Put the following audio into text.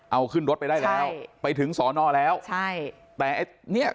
เอาขึ้นรถไปได้แล้วไปถึงสอนอแล้วใช่แต่ไอ้เนี้ย